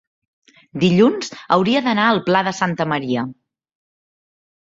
dilluns hauria d'anar al Pla de Santa Maria.